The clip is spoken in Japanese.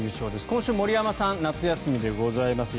今週、森山さん夏休みでございます。